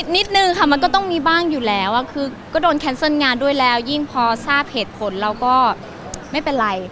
นิดนึงค่ะมันก็ต้องมีบ้างอยู่แล้วคือก็โดนแคนเซิลงานด้วยแล้วยิ่งพอทราบเหตุผลเราก็ไม่เป็นไร